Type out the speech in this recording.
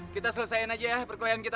kita selesaikan aja ya perkulian kita